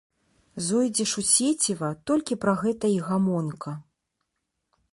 Зойдзеш у сеціва, толькі пра гэта і гамонка.